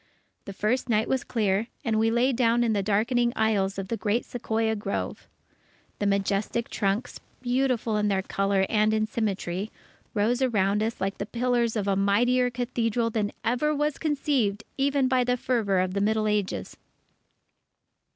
The first night was clear, and we lay down in the darkening aisles of the great Sequoia grove. The majestic trunks, beautiful in colour and in symmetry, rose round us like the pillars of a mightier cathedral than ever was conceived even by the fervour of the Middle Ages.